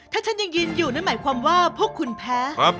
ถ้าฉันยังยืนอยู่นั่นหมายความว่าพวกคุณแพ้